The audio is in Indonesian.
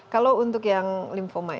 kalau untuk yang linfoma itu